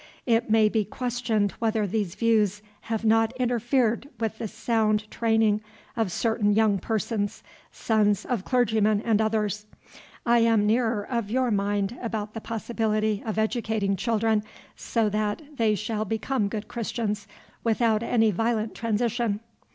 It maybe questioned whether these views have not interfered with the sound training of certain young persons, sons of clergymen and others. I am nearer of your mind about the possibility of educating children so that they shall become good Christians without any violent transition.